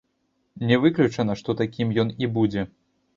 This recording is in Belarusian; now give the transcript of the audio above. Не выключана, што такім ён і будзе.